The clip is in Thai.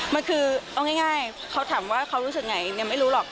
มันคือเอาง่ายเขาถามว่าเขารู้สึกไงไม่รู้หรอก